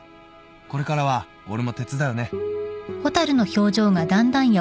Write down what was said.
「これからは俺も手伝うね」